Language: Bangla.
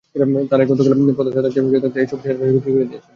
তাঁরাই গতকাল হয়তো প্রত্যাশা থাকতে থাকতে এসব শেয়ার বিক্রি করে দিয়েছেন।